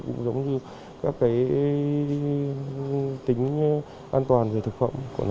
cũng giống như các tính an toàn về thực phẩm